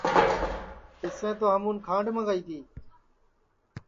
تِسیں تو ہمون کھانٚڈؔ منٚگائی تی